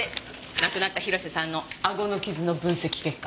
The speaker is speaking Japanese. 亡くなった広瀬さんのあごの傷の分析結果。